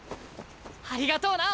ありがとうな！